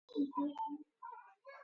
Bloomington গ্রামটি শহরের মধ্যে অবস্থিত।